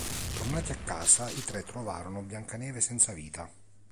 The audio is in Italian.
Tornati a casa, i tre trovarono Biancaneve senza vita.